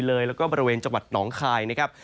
และก็ในบาร์เวณจังหวัดหนองไข่นะครับ